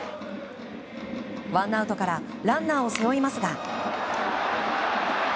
ワンアウトからランナーを背負いますが。